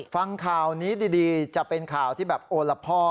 ฟังข่าวนี้ดีจะเป็นข่าวที่แบบโอละพ่อ